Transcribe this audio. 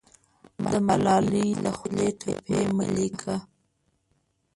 د ملالۍ له خولې ټپې مه لیکه